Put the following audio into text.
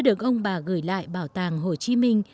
được ông bà gửi lại bảo tàng hồ chí minh